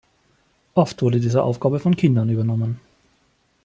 Oft wurde diese Aufgabe von Kindern übernommen.